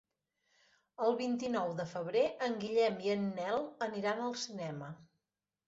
El vint-i-nou de febrer en Guillem i en Nel aniran al cinema.